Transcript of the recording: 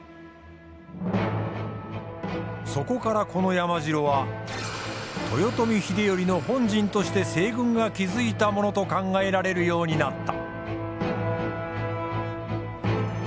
そこからこの山城は豊臣秀頼の本陣として西軍が築いたものと考えられるようになった。